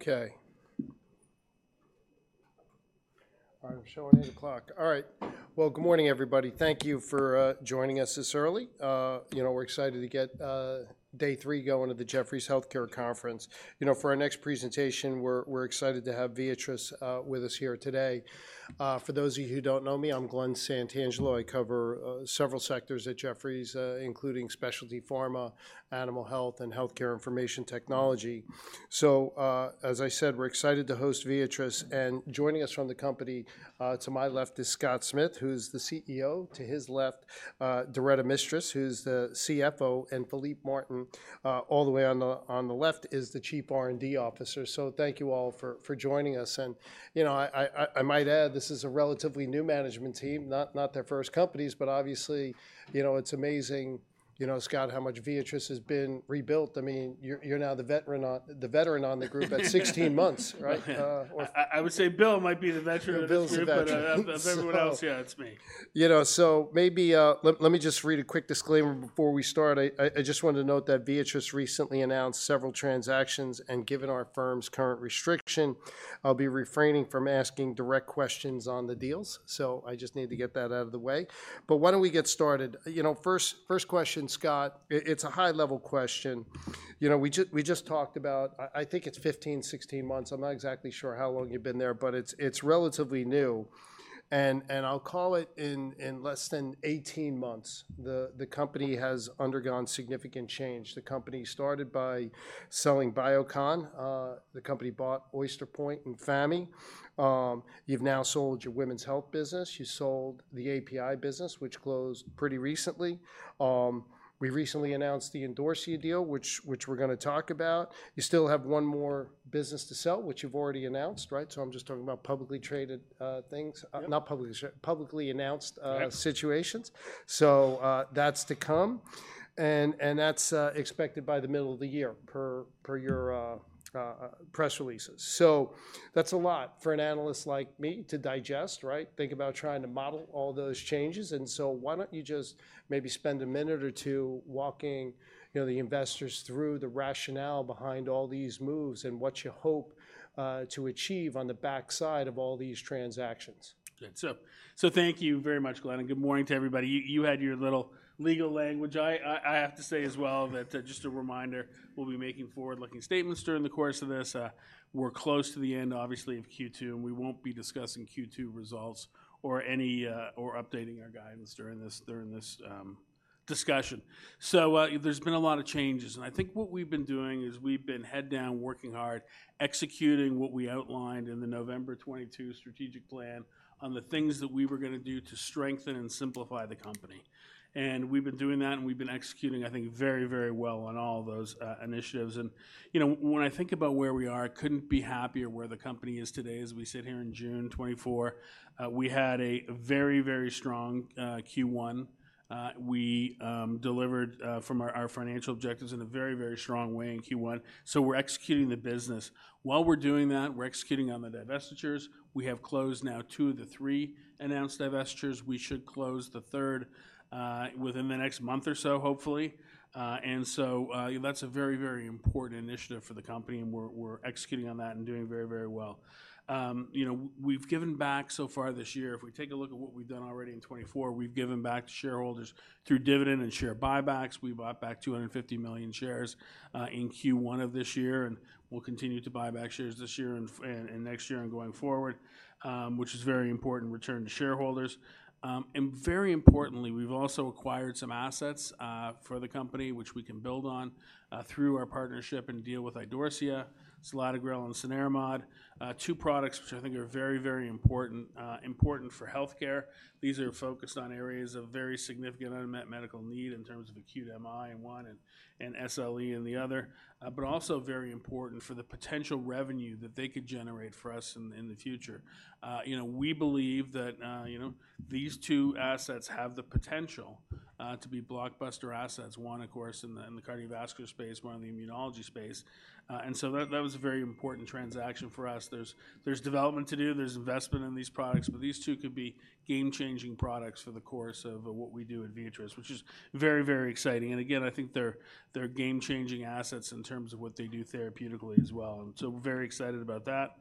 Okay. All right, we're showing 8:00 AM. All right. Well, good morning, everybody. Thank you for joining us this early. You know, we're excited to get day three going to the Jefferies Healthcare Conference. You know, for our next presentation, we're excited to have Viatris with us here today. For those of you who don't know me, I'm Glen Santangelo. I cover several sectors at Jefferies, including specialty pharma, animal health, and healthcare information technology. So, as I said, we're excited to host Viatris, and joining us from the company to my left is Scott Smith, who's the CEO. To his left, Doretta Mistras, who's the CFO, and Philippe Martin all the way on the left is the Chief R&D Officer. So thank you all for joining us, and, you know, I might add, this is a relatively new management team, not their first companies, but obviously, you know, it's amazing, you know, Scott, how much Viatris has been rebuilt. I mean, you're now the veteran on the group at 16 months, right? I would say Bill might be the veteran of this group- Bill's the veteran. But, of everyone else, yeah, it's me. You know, so maybe let me just read a quick disclaimer before we start. I just wanted to note that Viatris recently announced several transactions, and given our firm's current restriction, I'll be refraining from asking direct questions on the deals, so I just need to get that out of the way. But why don't we get started? You know, first question, Scott, it's a high-level question. You know, we just talked about, I think it's 15, 16 months, I'm not exactly sure how long you've been there, but it's relatively new, and I'll call it in less than 18 months, the company has undergone significant change. The company started by selling Biocon. The company bought Oyster Point and Famy. You've now sold your women's health business. You sold the API business, which closed pretty recently. We recently announced the Idorsia deal, which we're gonna talk about. You still have one more business to sell, which you've already announced, right? So I'm just talking about publicly traded things- Yeah. Publicly announced. Yeah Situations. So, that's to come, and, and that's expected by the middle of the year, per, per your press releases. So that's a lot for an analyst like me to digest, right? Think about trying to model all those changes, and so why don't you just maybe spend a minute or two walking, you know, the investors through the rationale behind all these moves and what you hope to achieve on the backside of all these transactions? Good. So thank you very much, Glen, and good morning to everybody. You had your little legal language. I have to say as well that just a reminder, we'll be making forward-looking statements during the course of this. We're close to the end, obviously, of Q2, and we won't be discussing Q2 results or any or updating our guidance during this discussion. So there's been a lot of changes, and I think what we've been doing is we've been head down, working hard, executing what we outlined in the November 2022 strategic plan on the things that we were gonna do to strengthen and simplify the company. And we've been doing that, and we've been executing, I think, very, very well on all of those initiatives. You know, when I think about where we are, I couldn't be happier where the company is today as we sit here in June 2024. We had a very, very strong Q1. We delivered from our financial objectives in a very, very strong way in Q1, so we're executing the business. While we're doing that, we're executing on the divestitures. We have closed now two of the three announced divestitures. We should close the third within the next month or so, hopefully. And so, that's a very, very important initiative for the company, and we're executing on that and doing very, very well. You know, we've given back so far this year, if we take a look at what we've done already in 2024, we've given back to shareholders through dividend and share buybacks. We bought back 250 million shares in Q1 of this year, and we'll continue to buy back shares this year and next year and going forward, which is very important return to shareholders. And very importantly, we've also acquired some assets for the company, which we can build on through our partnership and deal with Idorsia, selatogrel and cenerimod, two products which I think are very, very important important for healthcare. These are focused on areas of very significant unmet medical need in terms of acute MI in one and SLE in the other, but also very important for the potential revenue that they could generate for us in the future. You know, we believe that, you know, these two assets have the potential to be blockbuster assets. One, of course, in the cardiovascular space, one in the immunology space, and so that was a very important transaction for us. There's development to do, there's investment in these products, but these two could be game-changing products for the course of what we do at Viatris, which is very, very exciting. And again, I think they're game-changing assets in terms of what they do therapeutically as well, and so we're very excited about that.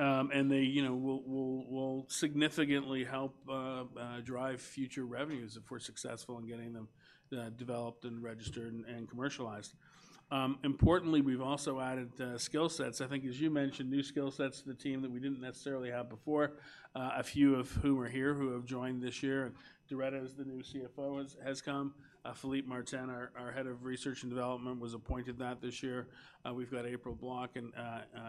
And they, you know, will significantly help drive future revenues if we're successful in getting them developed and registered and commercialized. Importantly, we've also added skill sets. I think as you mentioned, new skill sets to the team that we didn't necessarily have before, a few of who are here, who have joined this year, and Doretta is the new CFO, has come. Philippe Martin, our head of research and development, was appointed that this year. We've got April Barrett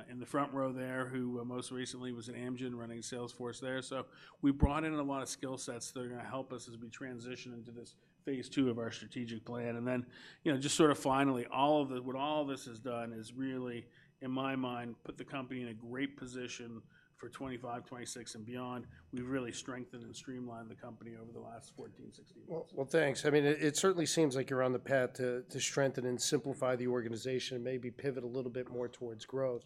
in the front row there, who most recently was at Amgen, running sales force there. So we brought in a lot of skill sets that are gonna help us as we transition into this phase II of our strategic plan. And then, you know, just sort of finally, what all of this has done is really, in my mind, put the company in a great position for 2025, 2026, and beyond. We've really strengthened and streamlined the company over the last 14, 16 months. Well, well, thanks. I mean, it certainly seems like you're on the path to strengthen and simplify the organization, and maybe pivot a little bit more towards growth.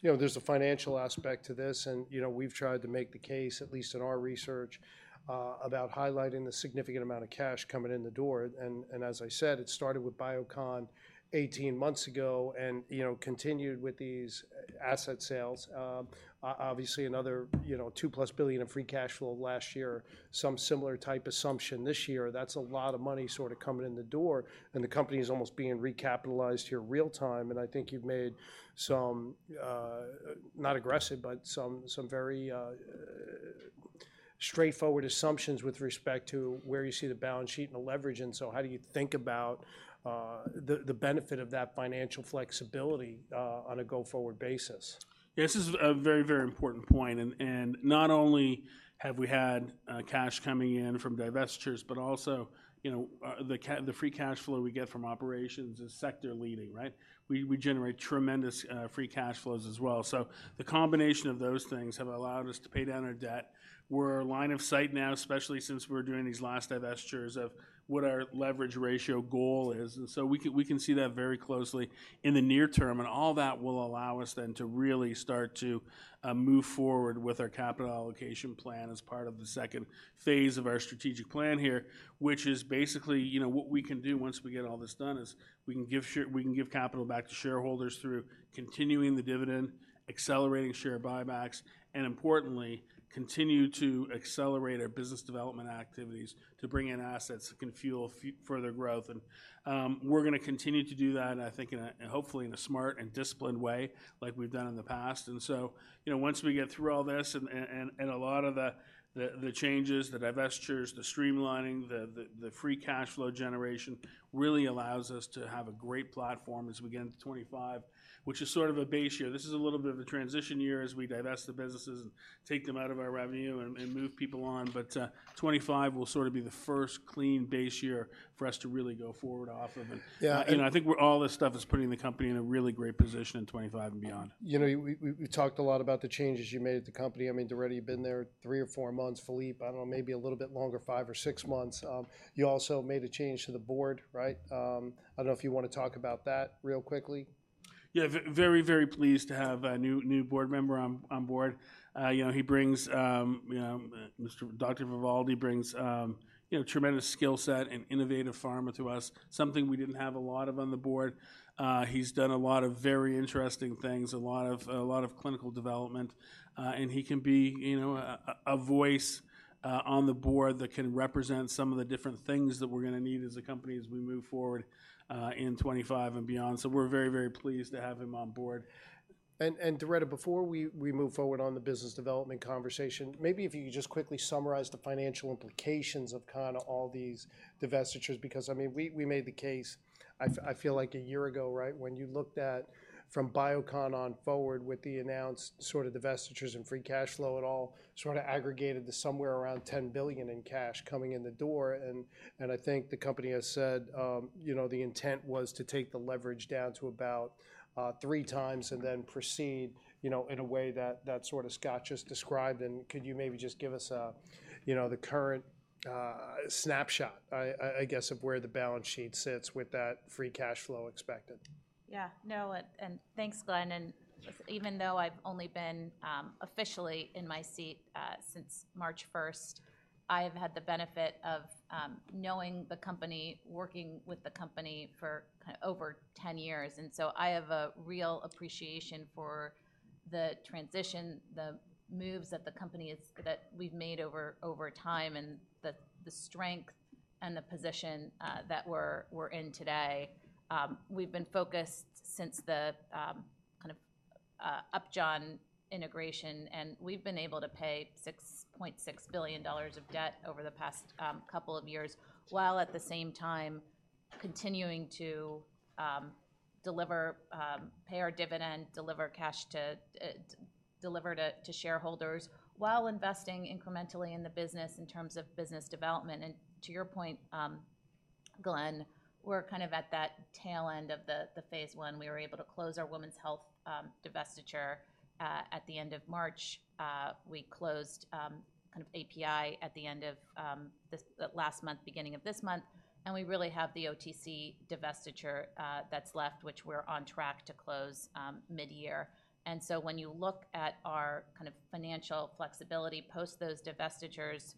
You know, there's a financial aspect to this, and, you know, we've tried to make the case, at least in our research, about highlighting the significant amount of cash coming in the door. And as I said, it started with Biocon 18 months ago, and, you know, continued with these asset sales. Obviously, another, you know, $2+ billion of free cash flow last year. Some similar type assumption this year, that's a lot of money sort of coming in the door, and the company is almost being recapitalized here real time. I think you've made some, not aggressive, but some very straightforward assumptions with respect to where you see the balance sheet and the leverage. So how do you think about the benefit of that financial flexibility on a go-forward basis? Yeah, this is a very, very important point, and not only have we had cash coming in from divestitures, but also, you know, the free cash flow we get from operations is sector-leading, right? We generate tremendous free cash flows as well. So the combination of those things have allowed us to pay down our debt. We're line of sight now, especially since we're doing these last divestitures, of what our leverage ratio goal is, and so we can see that very closely in the near term. And all that will allow us then to really start to move forward with our capital allocation plan as part of the 2nd phase of our strategic plan here, which is basically, you know, what we can do once we get all this done is we can give capital back to shareholders through continuing the dividend, accelerating share buybacks, and importantly, continue to accelerate our business development activities to bring in assets that can fuel further growth. And, we're gonna continue to do that, I think in a, hopefully in a smart and disciplined way, like we've done in the past. And so, you know, once we get through all this, and a lot of the changes, the divestitures, the streamlining, the free cash flow generation really allows us to have a great platform as we get into 2025, which is sort of a base year. This is a little bit of a transition year as we divest the businesses and take them out of our revenue and move people on. But, 2025 will sort of be the first clean base year for us to really go forward off of. Yeah. You know, I think all this stuff is putting the company in a really great position in 2025 and beyond. You know, we talked a lot about the changes you made at the company. I mean, Doretta, you've been there three or four months, Philippe, I don't know, maybe a little bit longer, five or six months. You also made a change to the board, right? I don't know if you wanna talk about that real quickly. Yeah, very pleased to have a new board member on board. You know, he brings, you know, Mr. Dr. Vivaldi brings, you know, tremendous skill set and innovative pharma to us, something we didn't have a lot of on the board. He's done a lot of very interesting things, a lot of clinical development, and he can be, you know, a voice on the board that can represent some of the different things that we're gonna need as a company as we move forward in 25 and beyond. So we're very pleased to have him on board. Doretta, before we move forward on the business development conversation, maybe if you could just quickly summarize the financial implications of kind of all these divestitures, because, I mean, we made the case, I feel like a year ago, right? When you looked at from Biocon on forward with the announced sort of divestitures and free cash flow, it all sort of aggregated to somewhere around $10 billion in cash coming in the door. And I think the company has said, you know, the intent was to take the leverage down to about 3x and then proceed, you know, in a way that Scott just described. And could you maybe just give us a, you know, the current snapshot, I guess, of where the balance sheet sits with that free cash flow expected? Yeah, no, and thanks, Glen. Even though I've only been officially in my seat since March 1st, I have had the benefit of knowing the company, working with the company for kind of over 10 years. So I have a real appreciation for the transition, the moves that we've made over time, and the strength and the position that we're in today. We've been focused since the kind of Upjohn integration, and we've been able to pay $6.6 billion of debt over the past couple of years, while at the same time continuing to deliver, pay our dividend, deliver cash to shareholders, while investing incrementally in the business in terms of business development. And to your point, Glen, we're kind of at that tail end of the phase I. We were able to close our women's health divestiture at the end of March. We closed kind of API at the end of last month, beginning of this month, and we really have the OTC divestiture that's left, which we're on track to close mid-year. And so when you look at our kind of financial flexibility, post those divestitures,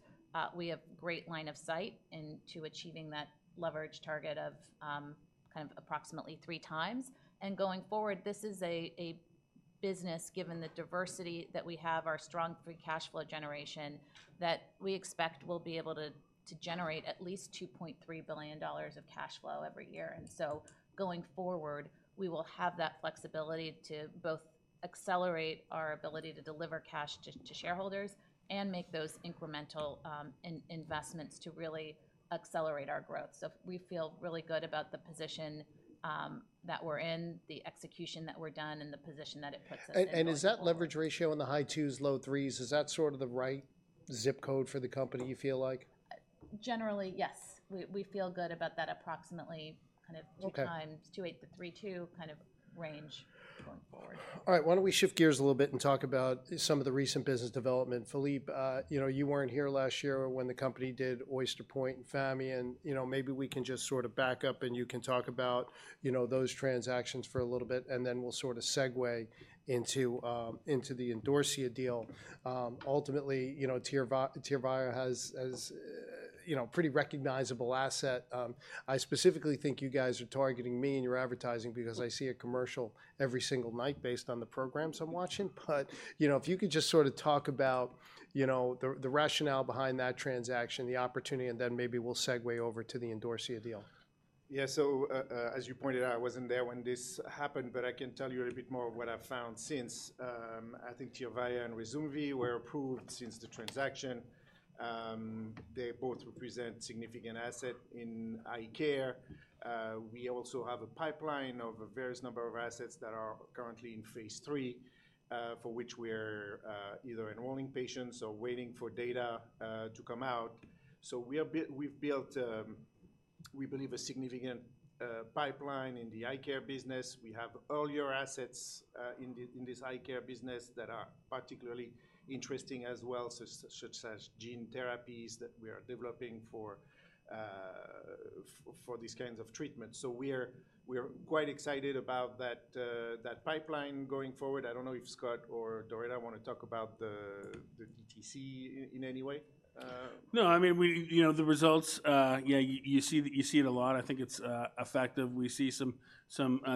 we have great line of sight into achieving that leverage target of kind of approximately 3x. And going forward, this is a business, given the diversity that we have, our strong free cash flow generation, that we expect will be able to generate at least $2.3 billion of cash flow every year. So going forward, we will have that flexibility to both accelerate our ability to deliver cash to shareholders and make those incremental investments to really accelerate our growth. So we feel really good about the position that we're in, the execution that we've done, and the position that it puts us in. Is that leverage ratio in the high twos, low threes? Is that sort of the right zip code for the company, you feel like? Generally, yes. We, we feel good about that approximately kind of- Okay 2x, 2.8-3.2 kind of range going forward. All right, why don't we shift gears a little bit and talk about some of the recent business development. Philippe, you know, you weren't here last year when the company did Oyster Point and Famy, and, you know, maybe we can just sort of back up, and you can talk about, you know, those transactions for a little bit, and then we'll sort of segue into the Endoceutics deal. Ultimately, you know, Tyrvaya has you know, pretty recognizable asset. I specifically think you guys are targeting me in your advertising because I see a commercial every single night based on the programs I'm watching. But, you know, if you could just sort of talk about, you know, the rationale behind that transaction, the opportunity, and then maybe we'll segue over to the Endoceutics deal. Yeah. So, as you pointed out, I wasn't there when this happened, but I can tell you a bit more of what I've found since. I think Tyrvaya and Ryzumvi were approved since the transaction. They both represent significant asset in eye care. We also have a pipeline of a various number of assets that are currently in phase III, for which we're either enrolling patients or waiting for data to come out. So we've built, we believe, a significant pipeline in the eye care business. We have earlier assets in this eye care business that are particularly interesting as well, such as gene therapies that we are developing for these kinds of treatments. So we are, we are quite excited about that pipeline going forward. I don't know if Scott or Doretta want to talk about the DTC in any way. No, I mean, we... You know, the results, you see it a lot. I think it's effective. We see some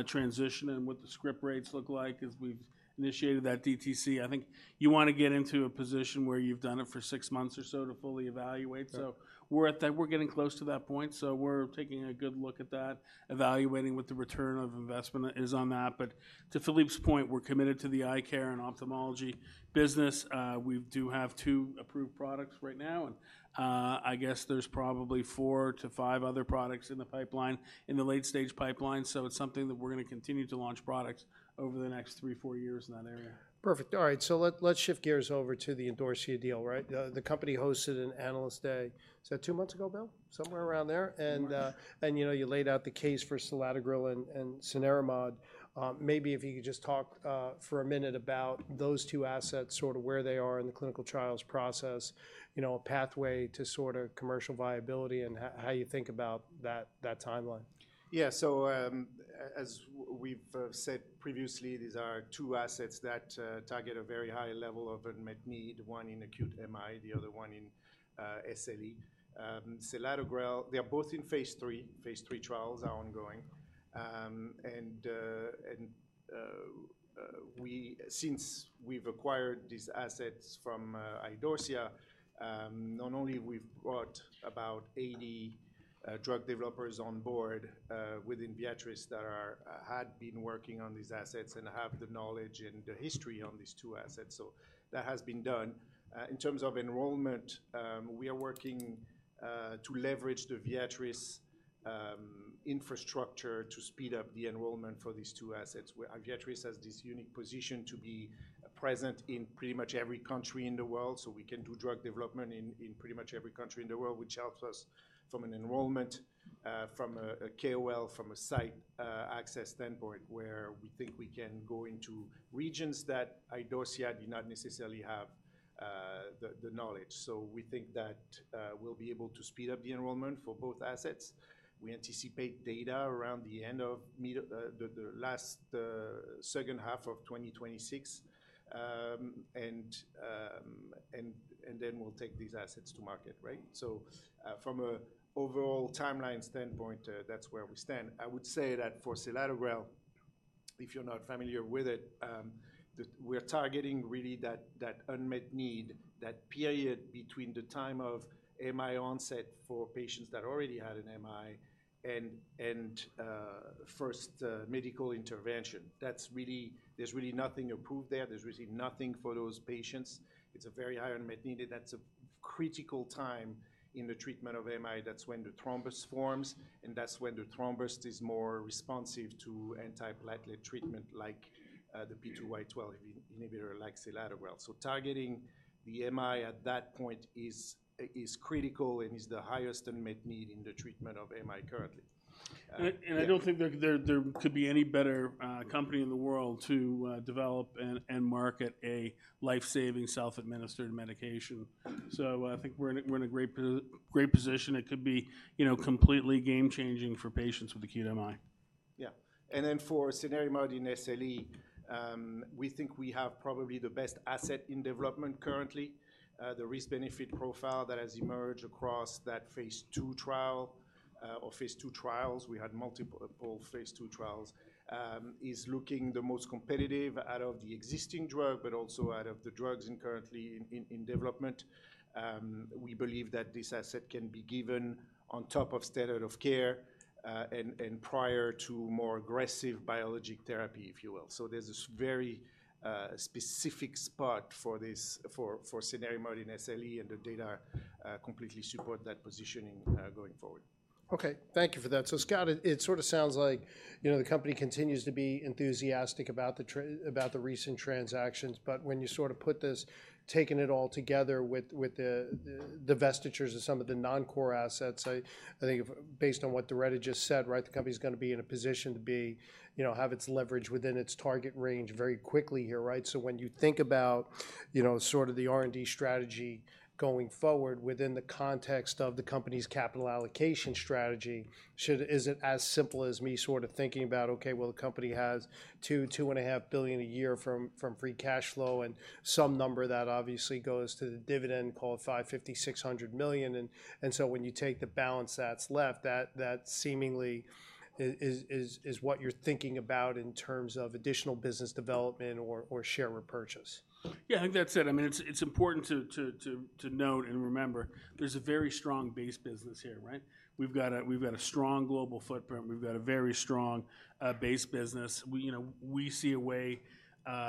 transition in what the script rates look like as we've initiated that DTC. I think you wanna get into a position where you've done it for six months or so to fully evaluate. Yeah. So we're at that. We're getting close to that point, so we're taking a good look at that, evaluating what the return on investment is on that. But to Philippe's point, we're committed to the eye care and ophthalmology business. We do have two approved products right now, and I guess there's probably 4-5 other products in the pipeline, in the late-stage pipeline. So it's something that we're gonna continue to launch products over the next 3-4 years in that area. Perfect. All right, so let's shift gears over to the Idorsia deal, right? The company hosted an analyst day, was that two months ago, Bill? Somewhere around there. Two months. You know, you laid out the case for selatogrel and cenerimod. Maybe if you could just talk for a minute about those two assets, sort of where they are in the clinical trials process, you know, a pathway to sort of commercial viability, and how you think about that timeline. Yeah, so, as we've said previously, these are two assets that target a very high level of unmet need, one in Acute MI, the other one in SLE. selatogrel, they are both in phase III. Phase III trials are ongoing. Since we've acquired these assets from Idorsia, not only we've brought about 80 drug developers on board within Viatris that had been working on these assets and have the knowledge and the history on these two assets, so that has been done. In terms of enrollment, we are working to leverage the Viatris infrastructure to speed up the enrollment for these two assets, where Viatris has this unique position to be present in pretty much every country in the world. So we can do drug development in pretty much every country in the world, which helps us from an enrollment, from a KOL, from a site access standpoint, where we think we can go into regions that Idorsia did not necessarily have the knowledge. So we think that we'll be able to speed up the enrollment for both assets. We anticipate data around the end of mid the last second half of 2026. And then we'll take these assets to market, right? So from an overall timeline standpoint, that's where we stand. I would say that for selatogrel, if you're not familiar with it, we're targeting really that unmet need, that period between the time of MI onset for patients that already had an MI, and first medical intervention. That's really there's really nothing approved there. There's really nothing for those patients. It's a very high unmet need. That's a critical time in the treatment of MI. That's when the thrombus forms, and that's when the thrombus is more responsive to antiplatelet treatment like the P2Y12 inhibitor like selatogrel. So targeting the MI at that point is critical and is the highest unmet need in the treatment of MI currently. Yeah- I don't think there could be any better company in the world to develop and market a life-saving, self-administered medication. So I think we're in a great position. It could be, you know, completely game-changing for patients with acute MI. .Yeah. Then for cenerimod in SLE, we think we have probably the best asset in development currently. The risk-benefit profile that has emerged across that phase II trial, or phase II trials, we had multiple phase II trials, is looking the most competitive out of the existing drug, but also out of the drugs currently in development. We believe that this asset can be given on top of standard of care, and prior to more aggressive biologic therapy, if you will. So there's this very specific spot for this, for cenerimod in SLE, and the data completely support that positioning, going forward. Okay, thank you for that. So, Scott, it sort of sounds like, you know, the company continues to be enthusiastic about the recent transactions, but when you sort of put this, taking it all together with the divestitures of some of the non-core assets, I think based on what Doretta just said, right, the company's gonna be in a position to, you know, have its leverage within its target range very quickly here, right? So when you think about, you know, sort of the R&D strategy going forward within the context of the company's capital allocation strategy, should—is it as simple as me sort of thinking about, okay, well, the company has $2-$2.5 billion a year from free cash flow, and some number that obviously goes to the dividend, call it $550-$600 million, and so when you take the balance that's left, that seemingly is what you're thinking about in terms of additional business development or share repurchase? Yeah, I think that's it. I mean, it's important to note and remember, there's a very strong base business here, right? We've got a strong global footprint. We've got a very strong base business. We, you know, we see a way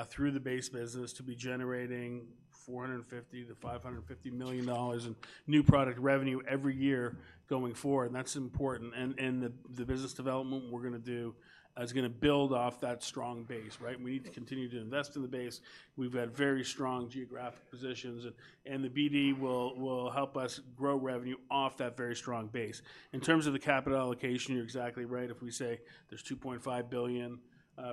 through the base business to be generating $450 million-$550 million in new product revenue every year going forward, and that's important. And the business development we're gonna do is gonna build off that strong base, right? We need to continue to invest in the base. We've had very strong geographic positions, and the BD will help us grow revenue off that very strong base. In terms of the capital allocation, you're exactly right. If we say there's $2.5 billion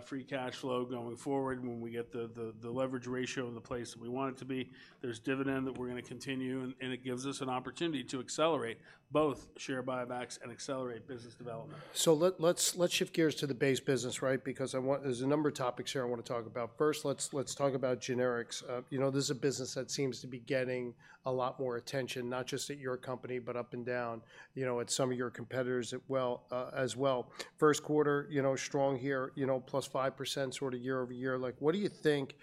free cash flow going forward, when we get the leverage ratio in the place that we want it to be, there's dividend that we're gonna continue, and it gives us an opportunity to accelerate both share buybacks and accelerate business development. So, let's shift gears to the base business, right? Because I want—there's a number of topics here I wanna talk about. First, let's talk about generics. You know, this is a business that seems to be getting a lot more attention, not just at your company, but up and down, you know, at some of your competitors as well, as well. First quarter, you know, strong here, you know, +5% sort of year-over-year. Like, what do you think,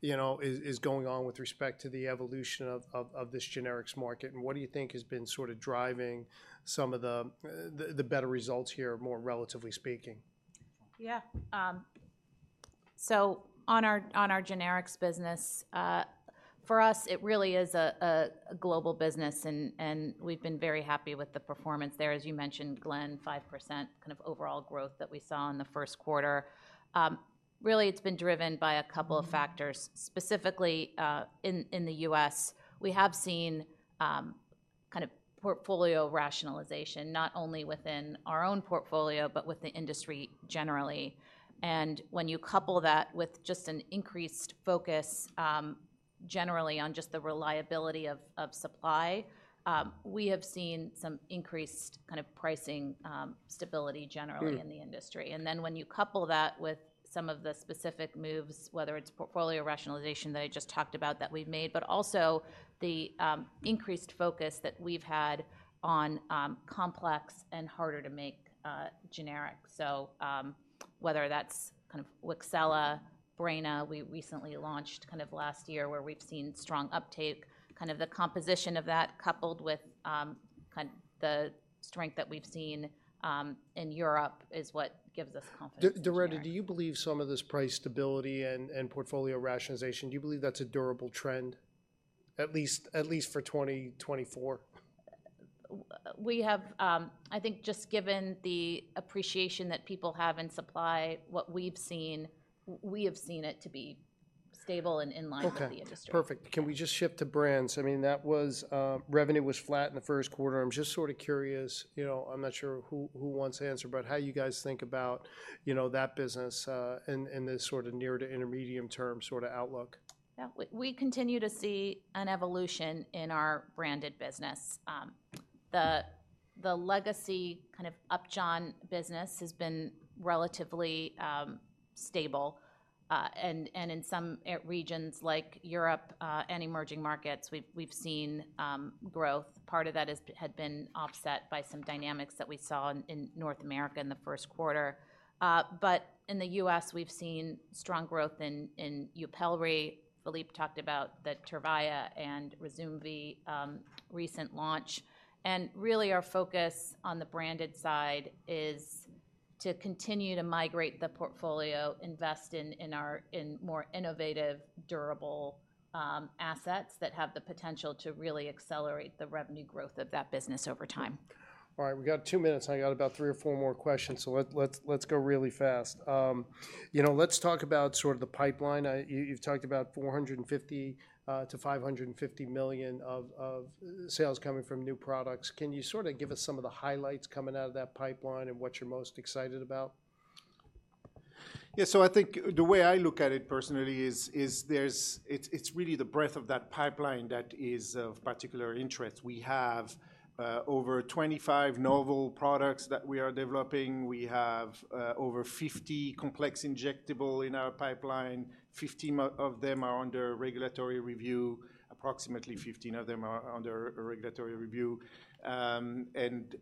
you know, is going on with respect to the evolution of this generics market, and what do you think has been sort of driving some of the better results here, more relatively speaking? Yeah, so on our generics business, for us, it really is a global business, and we've been very happy with the performance there. As you mentioned, Glen, 5% kind of overall growth that we saw in the first quarter. Really, it's been driven by a couple of factors. Specifically, in the U.S., we have seen kind of portfolio rationalization, not only within our own portfolio, but with the industry generally. And when you couple that with just an increased focus, generally on just the reliability of supply, we have seen some increased kind of pricing stability generally- Mm In the industry. And then when you couple that with some of the specific moves, whether it's portfolio rationalization that I just talked about that we've made, but also the increased focus that we've had on complex and harder to make generics. So, whether that's kind of Wixela, Breyna, we recently launched kind of last year, where we've seen strong uptake, kind of the composition of that, coupled with the strength that we've seen in Europe, is what gives us confidence. Doretta, do you believe some of this price stability and portfolio rationalization, do you believe that's a durable trend, at least for 2024? We have, I think, just given the appreciation that people have in supply, what we've seen, we have seen it to be stable and in line. Okay With the industry. Perfect. Yeah. Can we just shift to brands? I mean, that was, revenue was flat in the first quarter. I'm just sort of curious, you know, I'm not sure who wants to answer, but how you guys think about, you know, that business, in this sort of near to intermediate term sort of outlook? Yeah. We continue to see an evolution in our branded business. The legacy kind of Upjohn business has been relatively stable, and in some regions like Europe and emerging markets, we've seen growth. Part of that had been offset by some dynamics that we saw in North America in the first quarter. But in the U.S., we've seen strong growth in Yupelri. Philippe talked about the Tyrvaya and Ryzumvi recent launch. And really, our focus on the branded side is to continue to migrate the portfolio, invest in our- in more innovative, durable assets that have the potential to really accelerate the revenue growth of that business over time. All right, we've got two minutes, and I got about three or four more questions, so let's go really fast. You know, let's talk about sort of the pipeline. You've talked about $450 million-$550 million of sales coming from new products. Can you sort of give us some of the highlights coming out of that pipeline and what you're most excited about? Yeah, so I think the way I look at it personally is, there's—it's really the breadth of that pipeline that is of particular interest. We have over 25 novel products that we are developing. We have over 50 complex injectables in our pipeline. 15 of them are under regulatory review. Approximately 15 of them are under regulatory review. And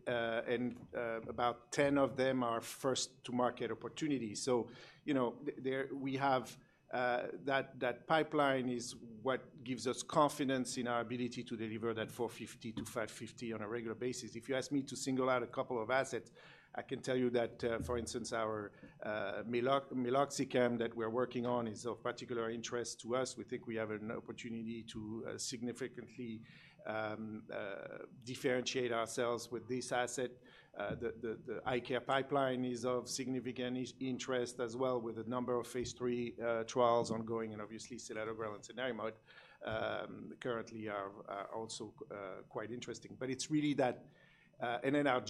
about 10 of them are first to market opportunities. So, you know, we have, that pipeline is what gives us confidence in our ability to deliver that $450-$550 on a regular basis. If you ask me to single out a couple of assets, I can tell you that, for instance, our meloxicam that we're working on is of particular interest to us. We think we have an opportunity to significantly differentiate ourselves with this asset. The eye care pipeline is of significant interest as well, with a number of phase three trials ongoing, and obviously, selatogrel and cenerimod currently are also quite interesting. But it's really that and then our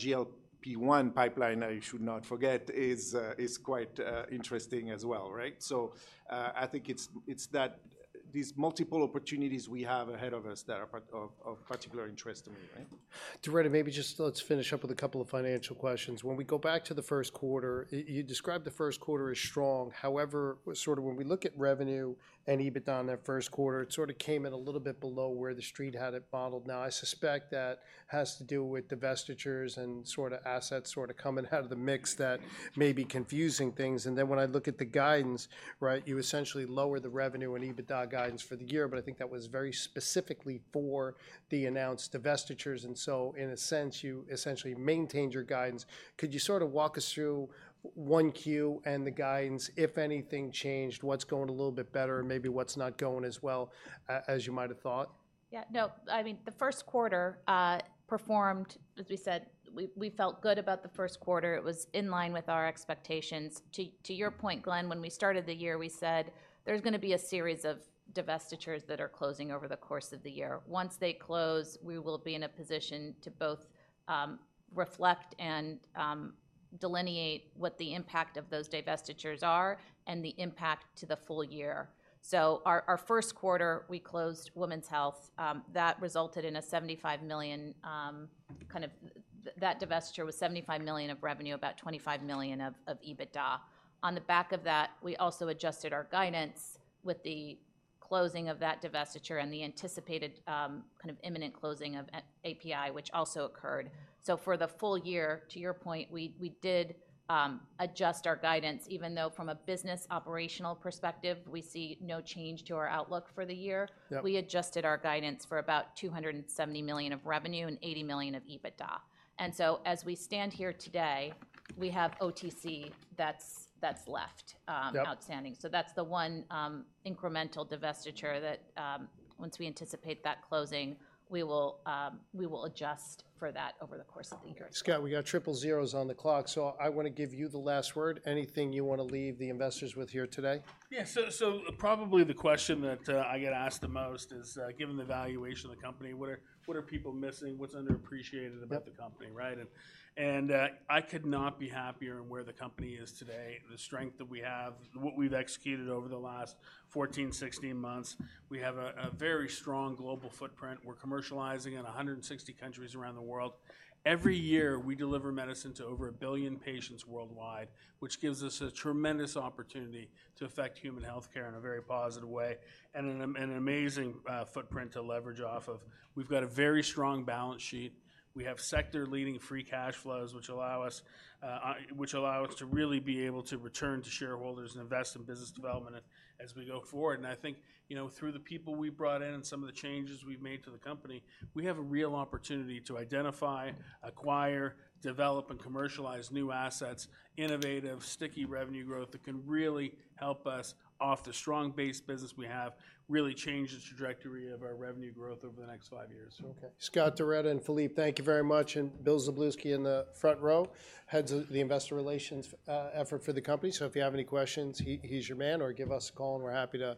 GLP-1 pipeline, I should not forget, is quite interesting as well, right? So I think it's that these multiple opportunities we have ahead of us that are part of particular interest to me, right? Doretta, maybe just let's finish up with a couple of financial questions. When we go back to the first quarter, you described the first quarter as strong. However, sort of when we look at revenue and EBITDA in that first quarter, it sort of came in a little bit below where the street had it modeled. Now, I suspect that has to do with divestitures and sort of assets sort of coming out of the mix that may be confusing things. And then when I look at the guidance, right, you essentially lower the revenue and EBITDA guidance for the year, but I think that was very specifically for the announced divestitures, and so in a sense, you essentially maintained your guidance. Could you sort of walk us through one Q and the guidance, if anything changed, what's going a little bit better, and maybe what's not going as well as you might have thought? Yeah. No, I mean, the first quarter performed. As we said, we felt good about the first quarter. It was in line with our expectations. To your point, Glen, when we started the year, we said there's gonna be a series of divestitures that are closing over the course of the year. Once they close, we will be in a position to both, reflect and, delineate what the impact of those divestitures are and the impact to the full year. So our first quarter, we closed women's health. That resulted in a $75 million, that divestiture was $75 million of revenue, about $25 million of EBITDA. On the back of that, we also adjusted our guidance with the closing of that divestiture and the anticipated, imminent closing of API, which also occurred. So for the full year, to your point, we did adjust our guidance, even though from a business operational perspective, we see no change to our outlook for the year. Yep. We adjusted our guidance for about $270 million of revenue and $80 million of EBITDA. And so as we stand here today, we have OTC that's, that's left. Yep Outstanding. So that's the one, incremental divestiture that, once we anticipate that closing, we will, we will adjust for that over the course of the year. Scott, we got triple zeros on the clock, so I want to give you the last word. Anything you want to leave the investors with here today? Yeah, so probably the question that I get asked the most is, given the valuation of the company, what are people missing? What's underappreciated- Yep About the company, right? I could not be happier in where the company is today, the strength that we have, what we've executed over the last 14, 16 months. We have a very strong global footprint. We're commercializing in 160 countries around the world. Every year, we deliver medicine to over a billion patients worldwide, which gives us a tremendous opportunity to affect human healthcare in a very positive way, and an amazing footprint to leverage off of. We've got a very strong balance sheet. We have sector-leading free cash flows, which allow us to really be able to return to shareholders and invest in business development as we go forward. I think, you know, through the people we brought in and some of the changes we've made to the company, we have a real opportunity to identify, acquire, develop, and commercialize new assets, innovative, sticky revenue growth that can really help us off the strong base business we have, really change the trajectory of our revenue growth over the next five years. Okay. Scott, Doretta, and Philippe, thank you very much, and Bill Szablewski in the front row, head of the investor relations effort for the company. So if you have any questions, he, he's your man, or give us a call, and we're happy to-